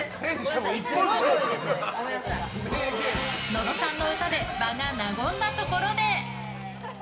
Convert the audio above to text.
野呂さんの歌で場が和んだところで。